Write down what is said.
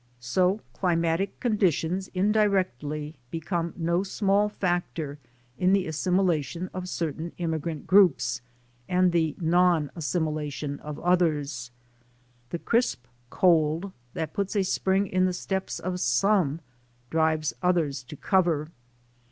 So climatic conditions indirectly become no small factor in the assimilation of certain immigrant groups and the non assimilation of others. The crisp cold that puts a spring in the steps of some drives others to cover.